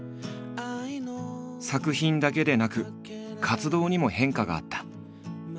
作品だけでなく活動にも変化があった。